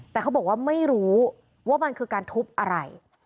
แต่เขาบอกว่าไม่รู้ว่ามันคือการทุบอะไร